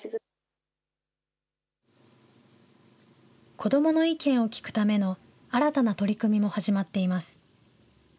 子どもの意見を聴くための新たな取り組みも始まっています。